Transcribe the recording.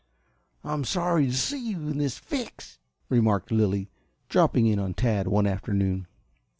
"I'm sorry to see you in this fix," remarked Lilly, dropping in on Tad one afternoon.